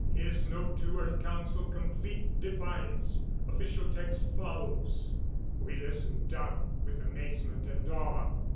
His note to Earth Council complete defiance. Official text follows...."_ We listened, dumb with amazement and awe.